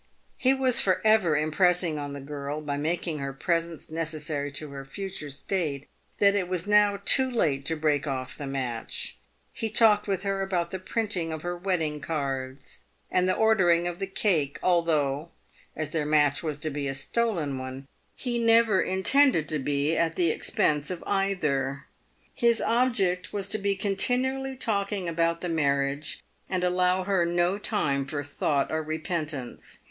He was for ever impressing on the girl, by making her presents necessary to her future state, that it was now too late to break off the match. He talked with her about the printing of her wedding cards and the ordering of the cake, although, as their match was to be a stolen one, he never intended to be at the expense of either. His 332 PAYED WITH GOLD. object was to be continually talking about the marriage, and allow her no time for thought or repentance.